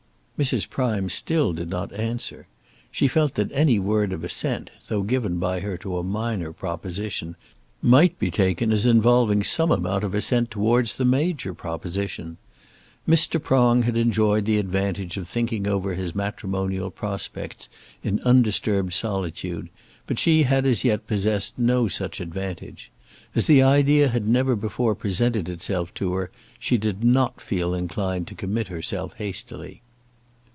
Mrs. Prime still did not answer. She felt that any word of assent, though given by her to a minor proposition, might be taken as involving some amount of assent towards the major proposition. Mr. Prong had enjoyed the advantage of thinking over his matrimonial prospects in undisturbed solitude, but she had as yet possessed no such advantage. As the idea had never before presented itself to her, she did not feel inclined to commit herself hastily.